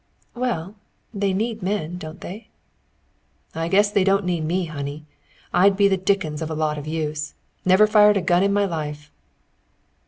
"Well, they need men, don't they?" "I guess they don't need me, honey. I'd be the dickens of a lot of use! Never fired a gun in my life."